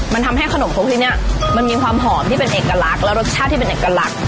มันทำให้ขนมครกที่นี่มันมีความหอมที่เป็นเอกลักษณ์และรสชาติที่เป็นเอกลักษณ์